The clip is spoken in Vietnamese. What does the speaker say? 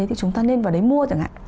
thì chúng ta nên vào đấy mua chẳng hạn